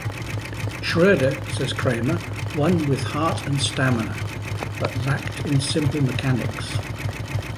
Schroeder, says Kramer, won with heart and stamina, but lacked in the simple mechanics.